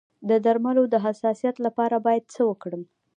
د درملو د حساسیت لپاره باید څه وکړم؟